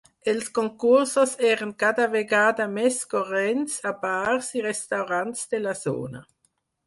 Els concursos eren cada vegada més corrents a bars i restaurants de la zona.